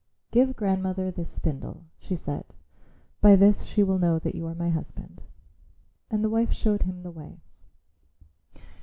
"Give grandmother this spindle," she said; "by this she will know that you are my husband." And the wife showed him the way.